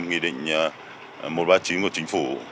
nghị định một trăm ba mươi chín của chính phủ